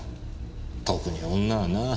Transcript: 特に女はな。